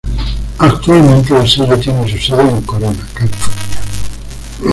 Actualmente, el sello tiene su sede en Corona, California.